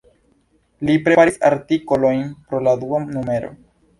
Li preparis artikolojn por la dua numero.